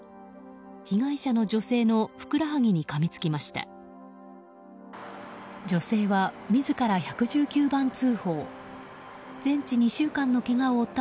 被害者の女性のふくらはぎにかみつきました。